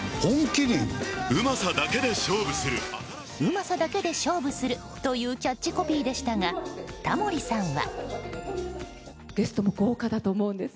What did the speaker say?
うまさだけで勝負するというキャッチコピーでしたがタモリさんは。